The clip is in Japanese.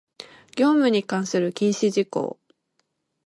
業務に関する禁止事項